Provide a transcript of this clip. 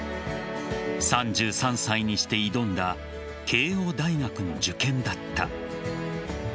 ３３歳にして挑んだ慶応大学の受験だった。